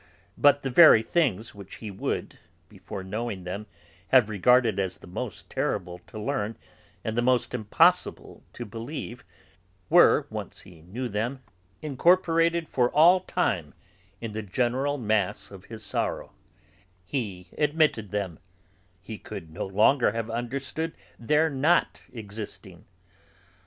But the very things which he would, before knowing them, have regarded as the most terrible to learn and the most impossible to believe, were, once he knew them, incorporated for all time in the general mass of his sorrow; he admitted them, he could no longer have understood their not existing.